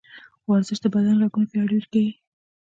ورزش د بدن رګونه پیاوړي کوي.